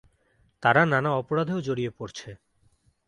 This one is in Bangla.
তারা নানা অপরাধেও জড়িয়ে পড়ছে।